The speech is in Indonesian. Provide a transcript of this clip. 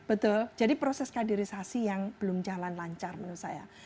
betul jadi proses kaderisasi yang belum jalan lancar menurut saya